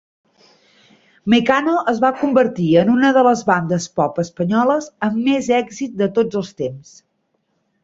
Mecano es va convertir en una de les bandes pop espanyoles amb més èxit de tots els temps.